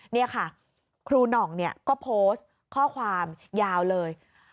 นี่ค่ะครูหน่องก็โพสต์ข้อความยาวเลย